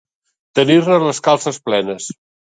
Tenir-ne les calces plenes.